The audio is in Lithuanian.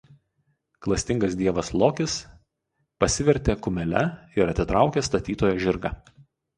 Klastingas dievas Lokis pasivertė kumele ir atitraukė statytojo žirgą.